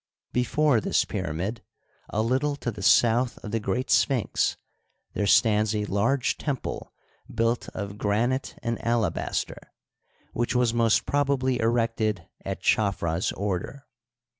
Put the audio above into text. Before this pyramid, a little to the south of the great Sphinx, there stands a large temple built of granite and alabaster, which was most probably erected at Cha fra's order.